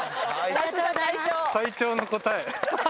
会長の答え。